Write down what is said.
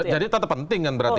jadi tetap penting kan berarti